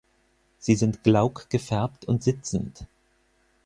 Sie sind glauk gefärbt und sitzend.